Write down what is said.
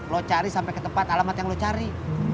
lo cari sampai ke tempat alamat yang lo cari